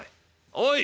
おい！